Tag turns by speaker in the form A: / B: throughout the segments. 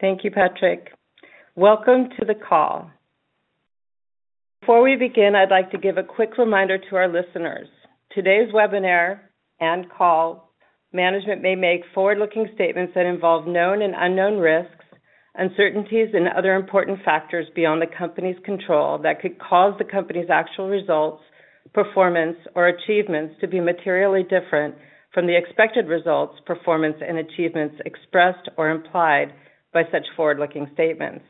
A: Thank you, Patrik. Welcome to the call. Before we begin, I'd like to give a quick reminder to our listeners. Today's webinar and call management may make forward-looking statements that involve known and unknown risks, uncertainties, and other important factors beyond the company's control that could cause the company's actual results, performance, or achievements to be materially different from the expected results, performance, and achievements expressed or implied by such forward-looking statements.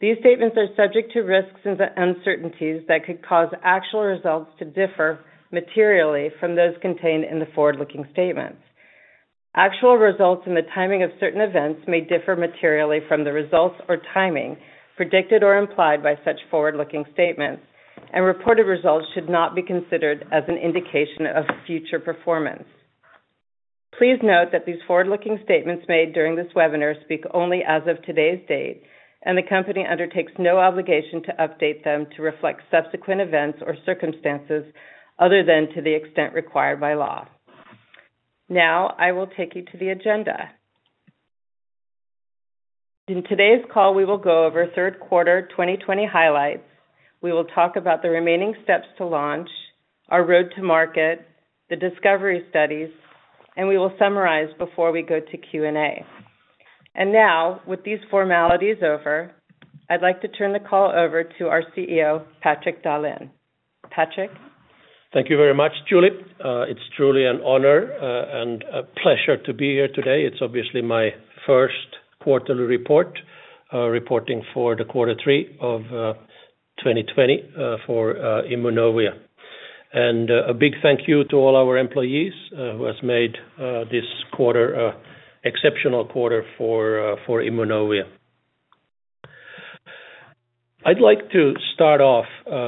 A: These statements are subject to risks and uncertainties that could cause actual results to differ materially from those contained in the forward-looking statements. Actual results and the timing of certain events may differ materially from the results or timing predicted or implied by such forward-looking statements. Reported results should not be considered as an indication of future performance. Please note that these forward-looking statements made during this webinar speak only as of today's date, and the company undertakes no obligation to update them to reflect subsequent events or circumstances other than to the extent required by law. Now, I will take you to the agenda. In today's call, we will go over third quarter 2020 highlights. We will talk about the remaining steps to launch, our road to market, the discovery studies, and we will summarize before we go to Q&A. Now, with these formalities over, I'd like to turn the call over to our CEO, Patrik Dahlen. Patrik?
B: Thank you very much, Julie. It's truly an honor and a pleasure to be here today. It's obviously my first quarterly report, reporting for the quarter three of 2020 for Immunovia. A big thank you to all our employees, who has made this quarter an exceptional quarter for Immunovia. I'd like to start off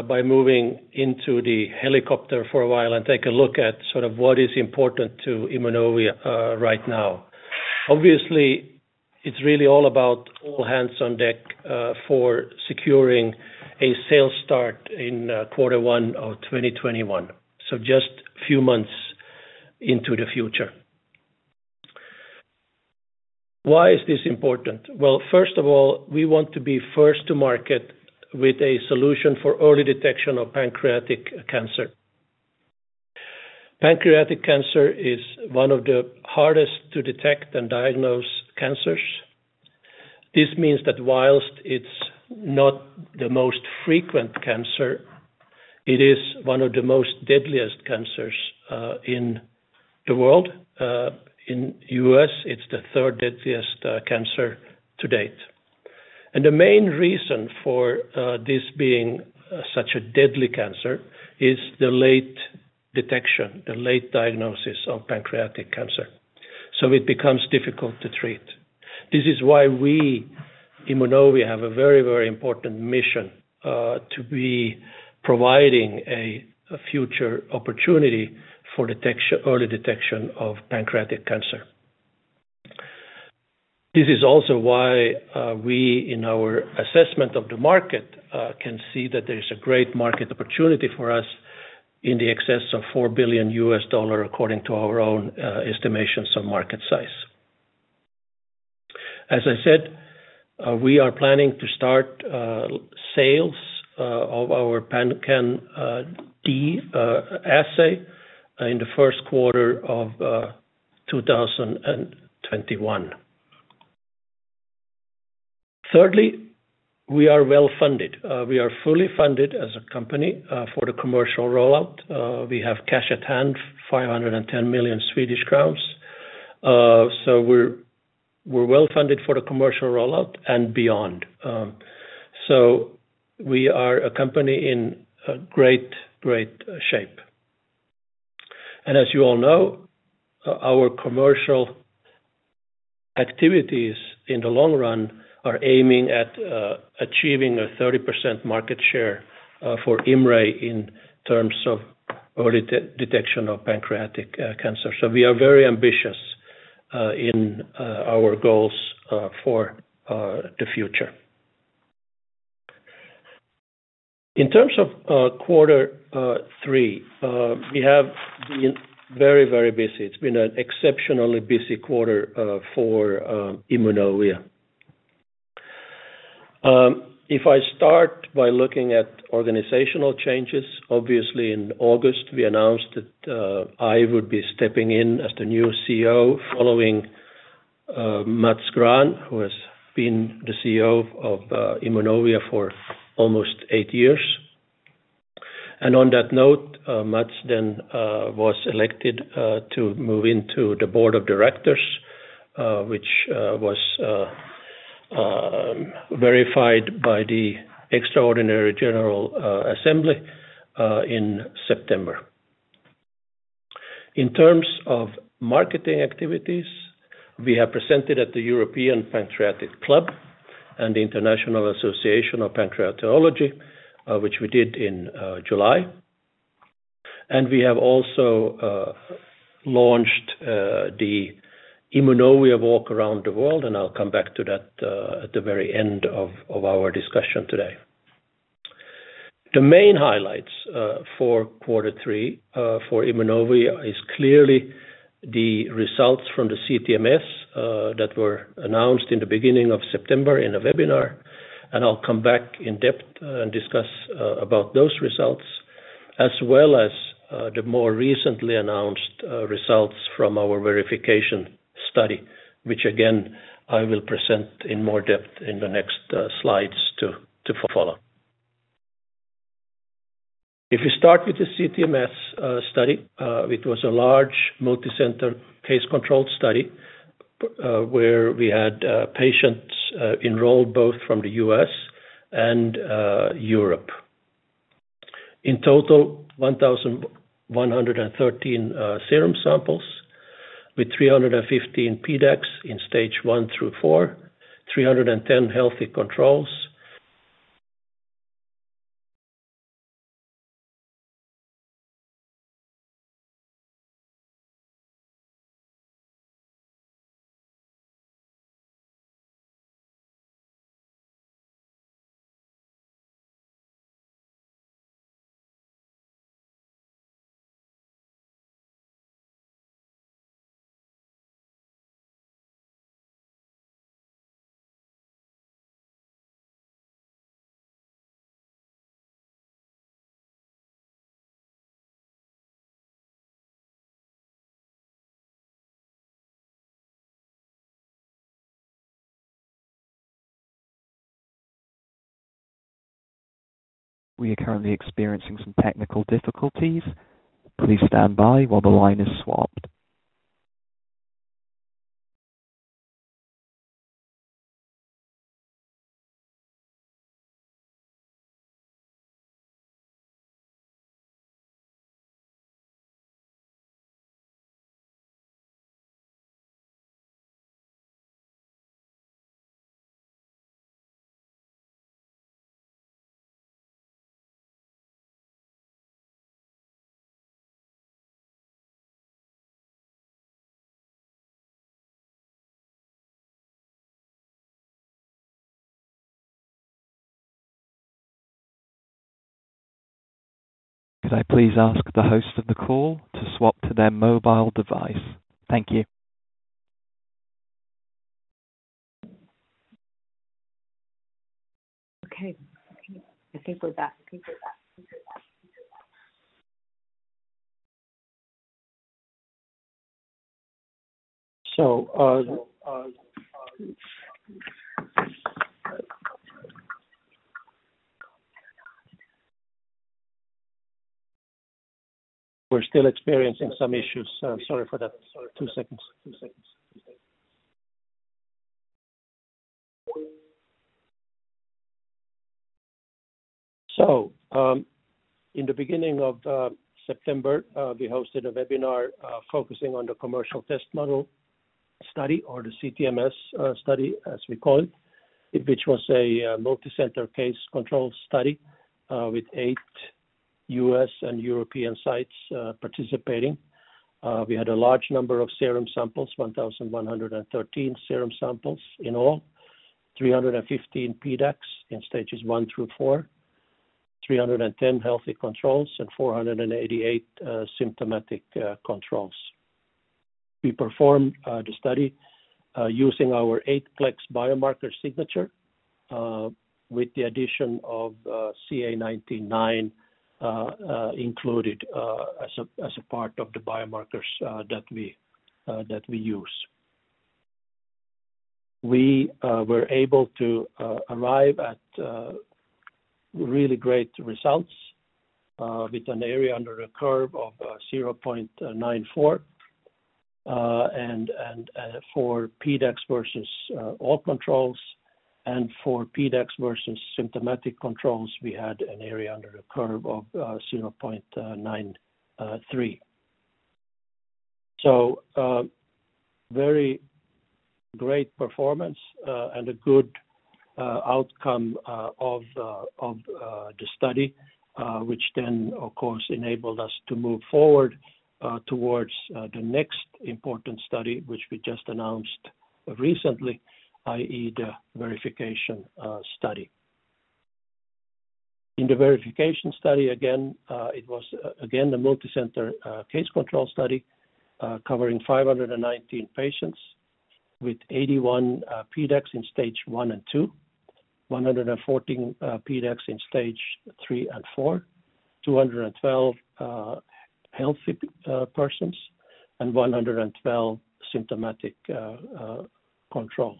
B: by moving into the helicopter for a while and take a look at sort of what is important to Immunovia right now. Obviously, it's really all about all hands on deck for securing a sales start in quarter one of 2021, so just a few months into the future. Why is this important? Well, first of all, we want to be first to market with a solution for early detection of pancreatic cancer. Pancreatic cancer is one of the hardest to detect and diagnose cancers. This means that whilst it's not the most frequent cancer, it is one of the most deadliest cancers in the world. In the U.S., it's the third deadliest cancer to date. The main reason for this being such a deadly cancer is the late detection, the late diagnosis of pancreatic cancer, so it becomes difficult to treat. This is why we, Immunovia, have a very important mission to be providing a future opportunity for early detection of pancreatic cancer. This is also why we, in our assessment of the market, can see that there is a great market opportunity for us in the excess of $4 billion, according to our own estimations of market size. As I said, we are planning to start sales of our IMMray PanCan-d assay in the first quarter of 2021. We are well-funded. We are fully funded as a company for the commercial rollout. We have cash at hand, 510 million Swedish crowns. We're well-funded for the commercial rollout and beyond. We are a company in great shape. As you all know, our commercial activities in the long run are aiming at achieving a 30% market share for IMMray in terms of early detection of pancreatic cancer. We are very ambitious in our goals for the future. In terms of quarter three, we have been very busy. It's been an exceptionally busy quarter for Immunovia. If I start by looking at organizational changes, obviously in August, we announced that I would be stepping in as the new CEO following Mats Grahn, who has been the CEO of Immunovia for almost eight years. On that note, Mats then was elected to move into the board of directors, which was verified by the extraordinary general assembly in September. In terms of marketing activities, we have presented at the European Pancreatic Club and the International Association of Pancreatology, which we did in July. We have also launched the Immunovia Walk around the World, and I'll come back to that at the very end of our discussion today. The main highlights for quarter three for Immunovia is clearly the results from the CTMS that were announced in the beginning of September in a webinar, and I'll come back in depth and discuss about those results. As well as the more recently announced results from our verification study, which again, I will present in more depth in the next slides to follow. If you start with the CTMS study, it was a large multicenter case control study, where we had patients enrolled both from the U.S. and Europe. In total, 1,113 serum samples with 315 PDACs in Stage 1 through 4, 310 healthy controls.
C: We are currently experiencing some technical difficulties. Please stand by while the line is swapped. Could I please ask the host of the call to swap to their mobile device? Thank you.
A: Okay. I think we're back.
B: We're still experiencing some issues. Sorry for that. Two seconds. In the beginning of September, we hosted a webinar focusing on the commercial test model study, or the CTMS study as we call it. Which was a multicenter case control study, with eight U.S. and European sites participating. We had a large number of serum samples, 1,113 serum samples in all, 315 PDACs in Stages 1-4, 310 healthy controls, and 488 symptomatic controls. We performed the study using our eight plex biomarker signature, with the addition of CA19-9 included as a part of the biomarkers that we use. We were able to arrive at really great results, with an area under the curve of 0.94. For PDACs versus all controls and for PDACs versus symptomatic controls, we had an area under the curve of 0.93. Very great performance, and a good outcome of the study, which then, of course, enabled us to move forward towards the next important study, which we just announced recently, i.e., the verification study. In the verification study, it was again the multicenter case control study, covering 519 patients with 81 PDACs in Stage 1 and 2, 114 PDACs in Stage 3 and 4, 212 healthy persons, and 112 symptomatic controls.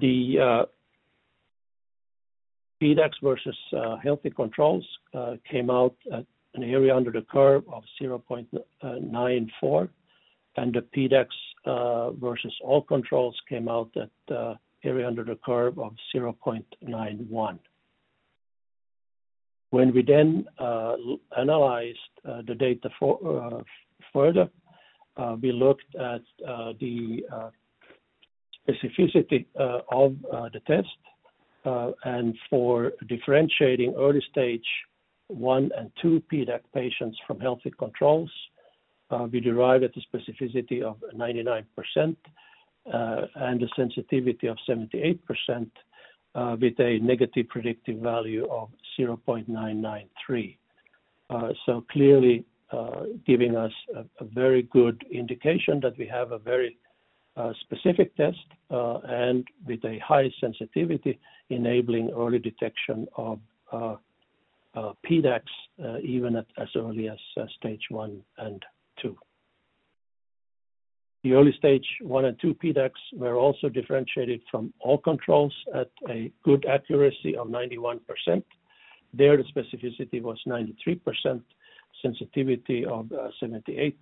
B: The PDACs versus healthy controls came out at an area under the curve of 0.94. The PDACs versus all controls came out at area under the curve of 0.91. We then analyzed the data further, we looked at the specificity of the test, and for differentiating early Stage 1 and 2 PDAC patients from healthy controls, we derived at a specificity of 99% and a sensitivity of 78%, with a negative predictive value of 0.993. Clearly giving us a very good indication that we have a very specific test, and with a high sensitivity enabling early detection of PDACs even as early as Stage 1 and 2. The early Stage 1 and 2 PDACs were also differentiated from all controls at a good accuracy of 91%. There, the specificity was 93%, sensitivity of 78%,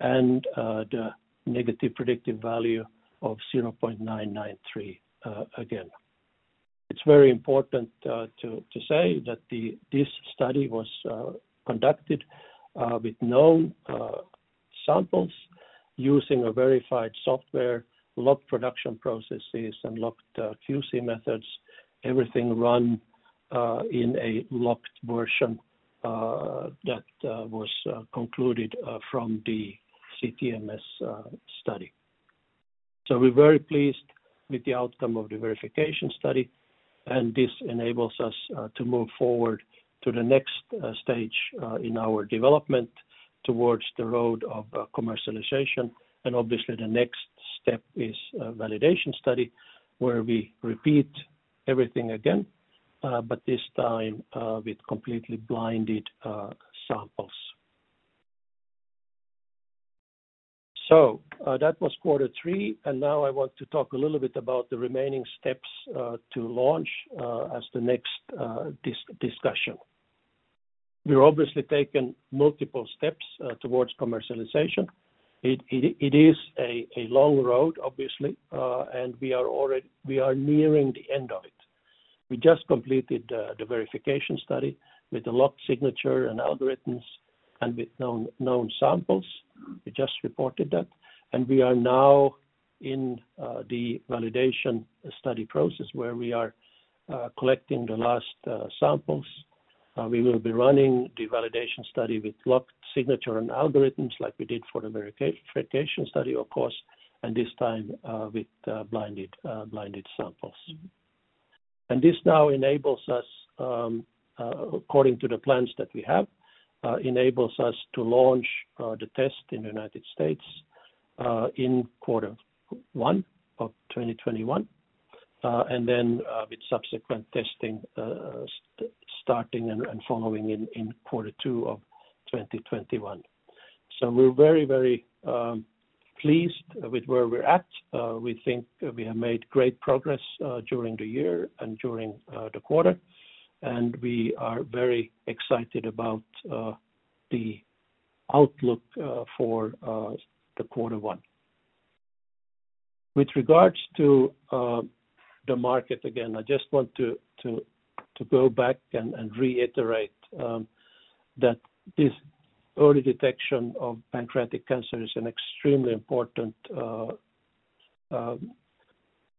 B: and the negative predictive value of 0.993, again. It's very important to say that this study was conducted with known samples using a verified software, locked production processes, and locked QC methods, everything run in a locked version that was concluded from the CTMS study. We're very pleased with the outcome of the verification study, and this enables us to move forward to the next stage in our development towards the road of commercialization. Obviously the next step is a validation study where we repeat everything again, but this time with completely blinded samples. That was quarter three, and now I want to talk a little bit about the remaining steps to launch as the next discussion. We've obviously taken multiple steps towards commercialization. It is a long road, obviously, and we are nearing the end of it. We just completed the verification study with the locked signature and algorithms and with known samples. We just reported that. We are now in the validation study process where we are collecting the last samples. We will be running the validation study with locked signature and algorithms like we did for the verification study, of course, and this time with blinded samples. This now enables us, according to the plans that we have, enables us to launch the test in the United States. in quarter one of 2021, with subsequent testing starting and following in quarter two of 2021. We're very pleased with where we're at. We think we have made great progress during the year and during the quarter, and we are very excited about the outlook for the quarter one. With regards to the market, again, I just want to go back and reiterate that this early detection of pancreatic cancer is an extremely important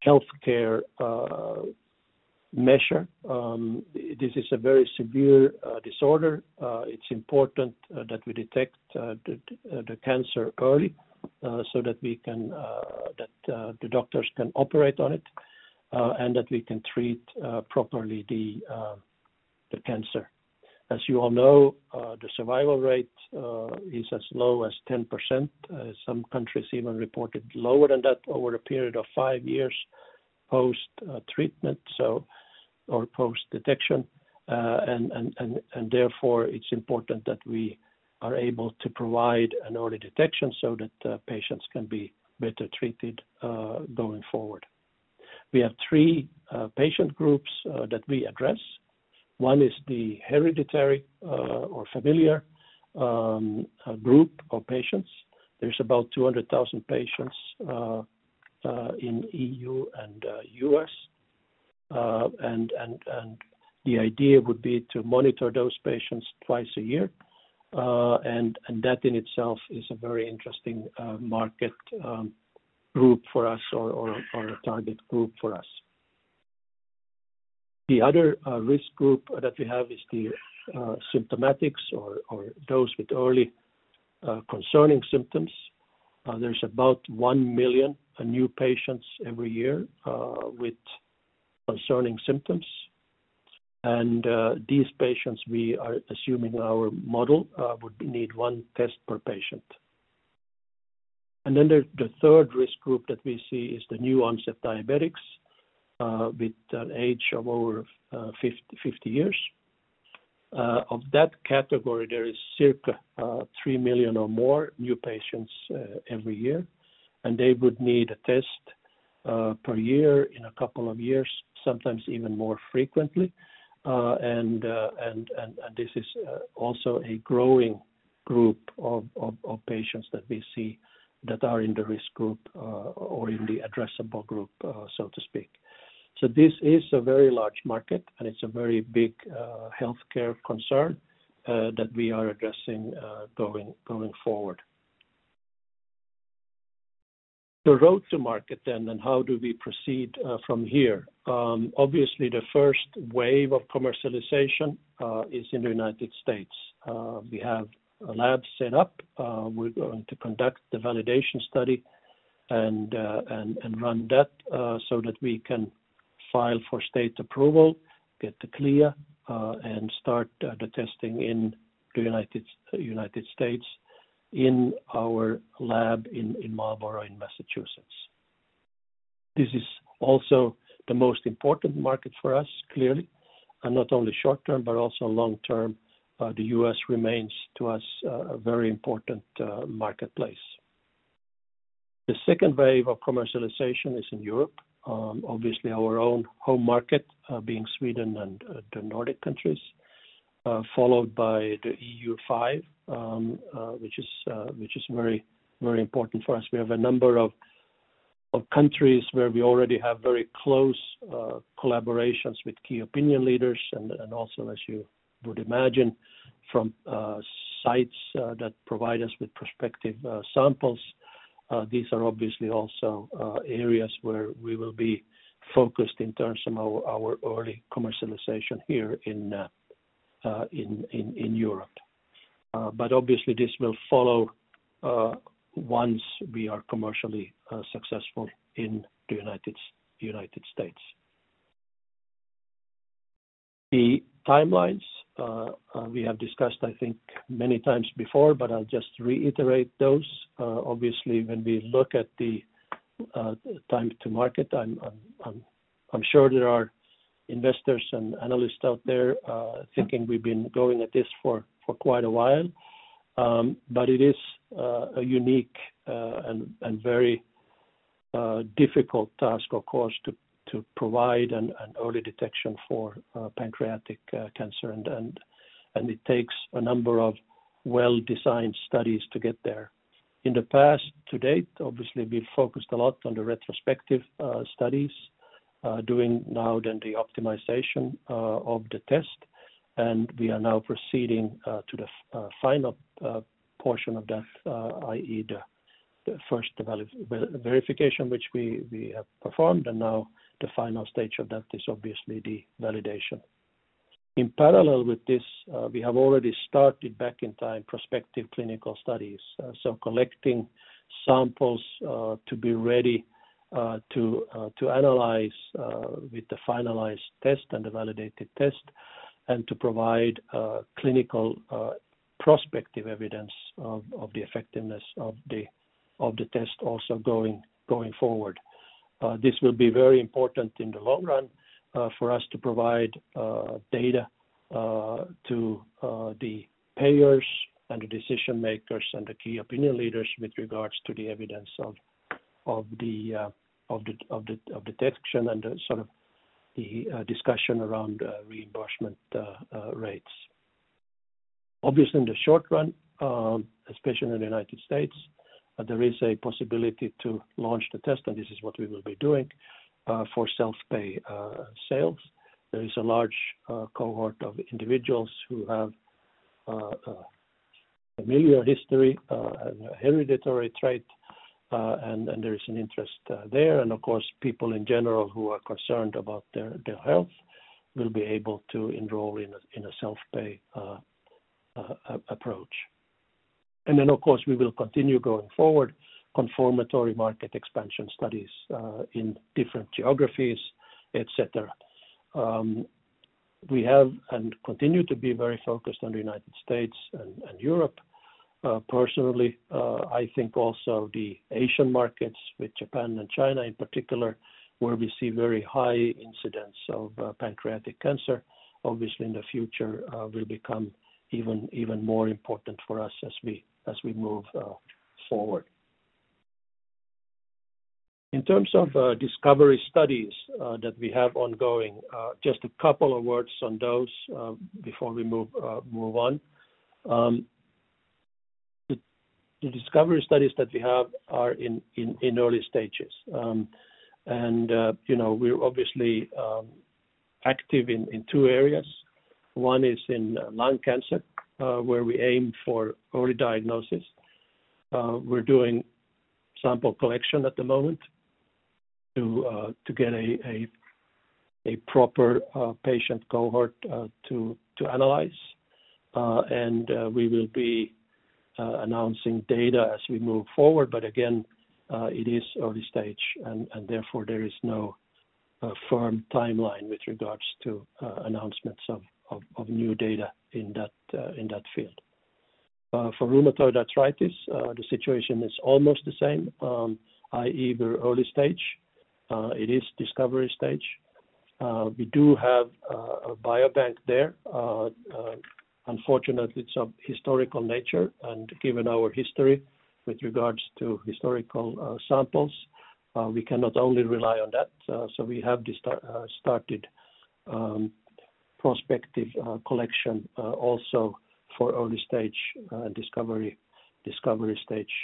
B: healthcare measure. This is a very severe disorder. It's important that we detect the cancer early so that the doctors can operate on it, and that we can treat properly the cancer. As you all know, the survival rate is as low as 10%. Some countries even reported lower than that over a period of five years post-treatment or post-detection. Therefore, it's important that we are able to provide an early detection so that patients can be better treated going forward. We have three patient groups that we address. One is the hereditary or familial group of patients. There's about 200,000 patients in EU and U.S. The idea would be to monitor those patients twice a year. That in itself is a very interesting market group for us or a target group for us. The other risk group that we have is the symptomatics or those with early concerning symptoms. There's about 1 million new patients every year with concerning symptoms. These patients, we are assuming our model would need one test per patient. The third risk group that we see is the new onset diabetics with an age of over 50 years. Of that category, there is circa 3 million or more new patients every year, and they would need a test per year in a couple of years, sometimes even more frequently. This is also a growing group of patients that we see that are in the risk group or in the addressable group, so to speak. This is a very large market, and it's a very big healthcare concern that we are addressing going forward. The road to market, how do we proceed from here? Obviously, the first wave of commercialization is in the United States. We have a lab set up. We're going to conduct the validation study and run that so that we can file for state approval, get the clear, and start the testing in the United States in our lab in Marlborough, in Massachusetts. This is also the most important market for us, clearly, and not only short term, but also long term. The U.S. remains to us a very important marketplace. The second wave of commercialization is in Europe. Obviously, our own home market being Sweden and the Nordic countries, followed by the EU Five, which is very important for us. We have a number of countries where we already have very close collaborations with key opinion leaders and also, as you would imagine, from sites that provide us with prospective samples. These are obviously also areas where we will be focused in terms of our early commercialization here in Europe. Obviously, this will follow once we are commercially successful in the United States. The timelines we have discussed, I think, many times before, but I'll just reiterate those. Obviously, when we look at the time to market, I'm sure there are investors and analysts out there thinking we've been going at this for quite a while. It is a unique and very difficult task, of course, to provide an early detection for pancreatic cancer. It takes a number of well-designed studies to get there. In the past to date, obviously, we focused a lot on the retrospective studies, doing now then the optimization of the test, and we are now proceeding to the final portion of that, i.e., the first verification which we have performed, and now the final stage of that is obviously the validation. In parallel with this, we have already started back in time prospective clinical studies. Collecting samples to be ready to analyze with the finalized test and the validated test, and to provide clinical prospective evidence of the effectiveness of the test also going forward. This will be very important in the long run for us to provide data to the payers and the decision makers and the key opinion leaders with regards to the evidence of detection and the discussion around reimbursement rates. Obviously, in the short run, especially in the United States, there is a possibility to launch the test, and this is what we will be doing for self-pay sales. There is a large cohort of individuals who have a familial history, a hereditary trait, and there is an interest there. Of course, people in general who are concerned about their health will be able to enroll in a self-pay approach. Then, of course, we will continue going forward, confirmatory market expansion studies in different geographies, et cetera. We have and continue to be very focused on the United States and Europe. Personally, I think also the Asian markets with Japan and China in particular, where we see very high incidence of pancreatic cancer, obviously in the future will become even more important for us as we move forward. In terms of discovery studies that we have ongoing, just a couple of words on those before we move on. The discovery studies that we have are in early stages. We're obviously active in two areas. One is in lung cancer, where we aim for early diagnosis. We're doing sample collection at the moment to get a proper patient cohort to analyze. We will be announcing data as we move forward. Again, it is early stage, and therefore there is no firm timeline with regards to announcements of new data in that field. For rheumatoid arthritis, the situation is almost the same, i.e., we're early stage. It is discovery stage. We do have a biobank there. Unfortunately, it's of historical nature, and given our history with regards to historical samples, we cannot only rely on that. We have started prospective collection also for early discovery stage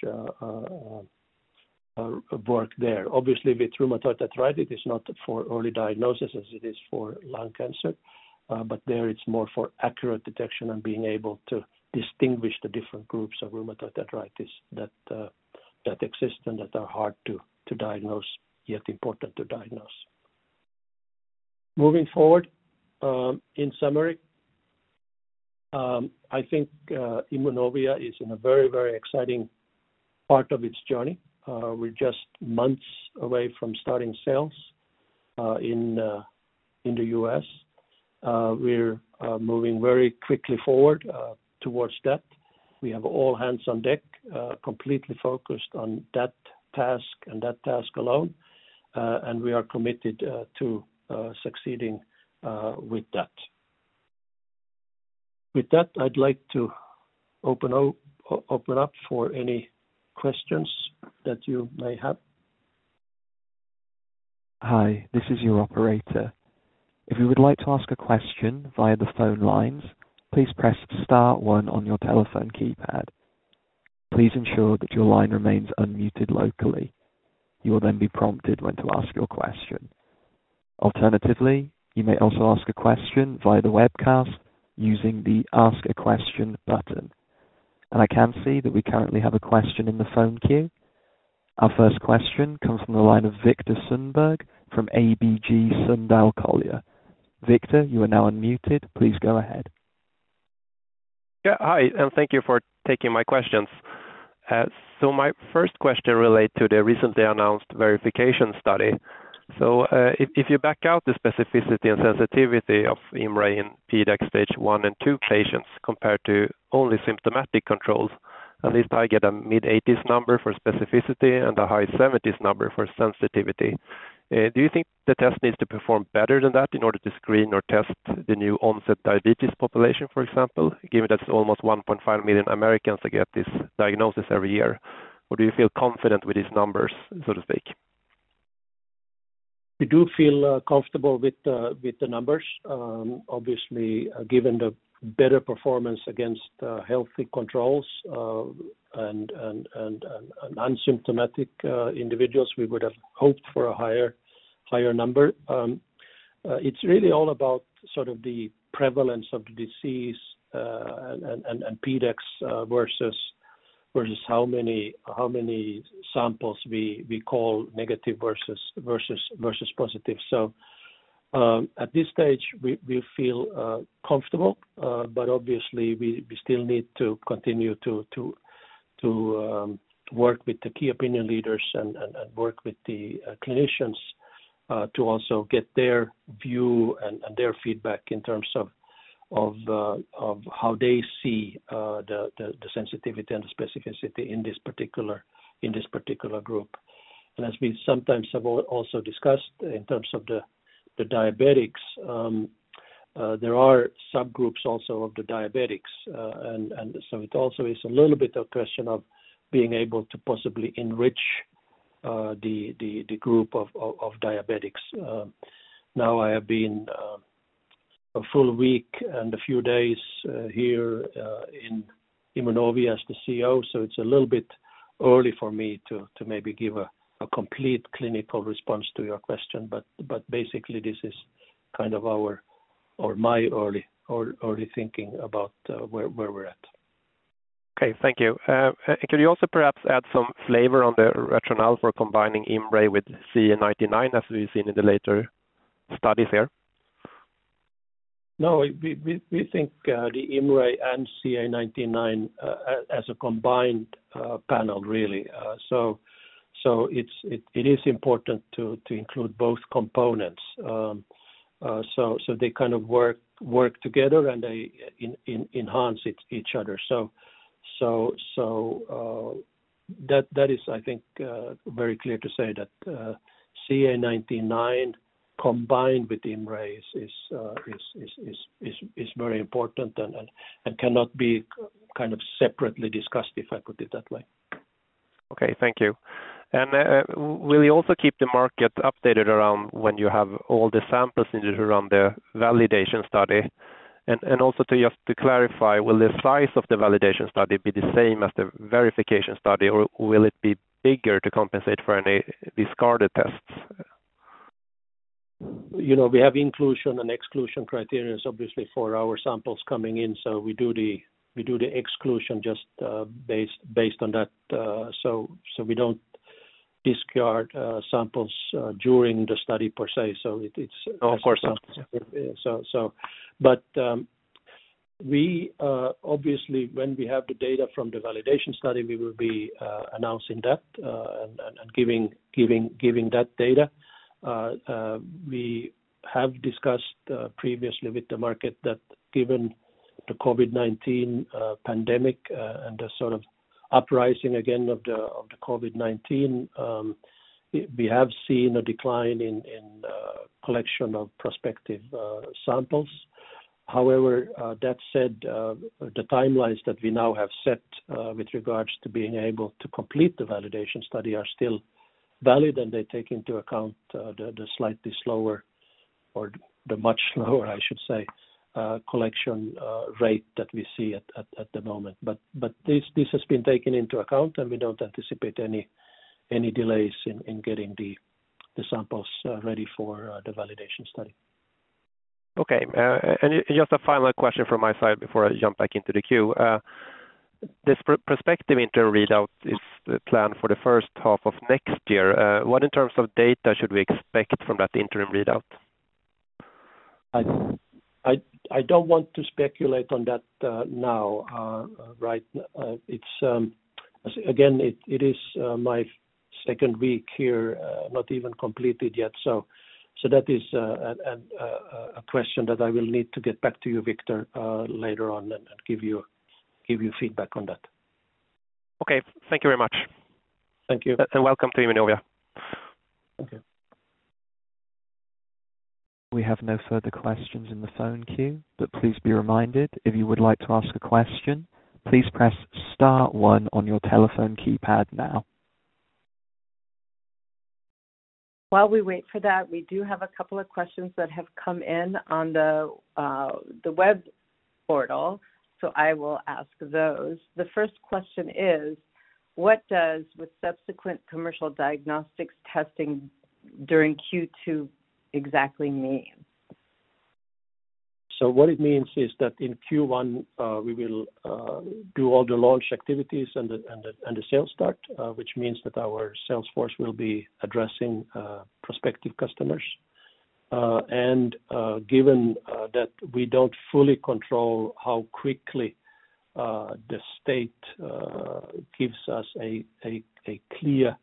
B: work there. Obviously, with rheumatoid arthritis, it's not for early diagnosis as it is for lung cancer. There, it's more for accurate detection and being able to distinguish the different groups of rheumatoid arthritis that exist and that are hard to diagnose, yet important to diagnose. Moving forward, in summary, I think Immunovia is in a very exciting part of its journey. We're just months away from starting sales in the U.S. We're moving very quickly forward towards that. We have all hands on deck, completely focused on that task and that task alone. We are committed to succeeding with that. With that, I'd like to open up for any questions that you may have.
C: I can see that we currently have a question in the phone queue. Our first question comes from the line of Viktor Sundberg from ABG Sundal Collier. Viktor, you are now unmuted. Please go ahead.
D: Yeah. Hi, thank you for taking my questions. My first question relate to the recently announced verification study. If you back out the specificity and sensitivity of IMMray in PDAC Stage 1 and 2 patients compared to only symptomatic controls, at least I get a mid-80s number for specificity and a high 70s number for sensitivity. Do you think the test needs to perform better than that in order to screen or test the new onset diabetes population, for example, given that it's almost 1.5 million Americans that get this diagnosis every year? Do you feel confident with these numbers, so to speak?
B: We do feel comfortable with the numbers. Obviously, given the better performance against healthy controls and unsymptomatic individuals, we would have hoped for a higher number. It's really all about sort of the prevalence of the disease and PDAC versus how many samples we call negative versus positive. At this stage, we feel comfortable. Obviously, we still need to continue to work with the key opinion leaders and work with the clinicians to also get their view and their feedback in terms of how they see the sensitivity and specificity in this particular group. As we sometimes have also discussed in terms of the diabetics, there are subgroups also of the diabetics. It also is a little bit of question of being able to possibly enrich the group of diabetics. I have been a full week and a few days here in Immunovia as the CEO, so it's a little bit early for me to maybe give a complete clinical response to your question. Basically, this is kind of our or my early thinking about where we're at.
D: Okay. Thank you. Could you also perhaps add some flavor on the rationale for combining IMMray with CA19-9, as we've seen in the later studies here?
B: We think the IMMray and CA19-9 as a combined panel really. It is important to include both components. They kind of work together, and they enhance each other. That is, I think very clear to say that CA19-9 combined with IMMray is very important and cannot be kind of separately discussed, if I put it that way.
D: Okay. Thank you. Will you also keep the market updated around when you have all the samples needed around the validation study? Also just to clarify, will the size of the validation study be the same as the verification study, or will it be bigger to compensate for any discarded tests?
B: We have inclusion and exclusion criteria, obviously, for our samples coming in. We do the exclusion just based on that. We don't discard samples during the study per se.
D: Of course.
B: We obviously, when we have the data from the validation study, we will be announcing that and giving that data. We have discussed previously with the market that given the COVID-19 pandemic and the sort of uprising again of the COVID-19, we have seen a decline in collection of prospective samples. However, that said, the timelines that we now have set with regards to being able to complete the validation study are still valid, and they take into account the slightly slower or the much slower, I should say, collection rate that we see at the moment. This has been taken into account, and we don't anticipate any delays in getting the samples ready for the validation study.
D: Okay. Just a final question from my side before I jump back into the queue. This prospective interim readout is planned for the first half of next year. What in terms of data should we expect from that interim readout?
B: I don't want to speculate on that now. Again, it is my second week here, not even completed yet. So that is a question that I will need to get back to you, Viktor, later on and give you feedback on that.
D: Okay. Thank you very much.
B: Thank you.
D: Welcome to Immunovia.
C: We have no further questions in the phone queue, but please be reminded, if you would like to ask a question, please press star one on your telephone keypad now.
A: While we wait for that, we do have a couple of questions that have come in on the web portal, so I will ask those. The first question is, what does with subsequent commercial diagnostics testing during Q2 exactly mean?
B: What it means is that in Q1, we will do all the launch activities and the sales start, which means that our sales force will be addressing prospective customers. Given that we don't fully control how quickly the state gives us a clear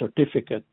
B: certificate.